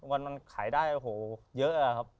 วันนั้นขายได้โหเยอะอะครับ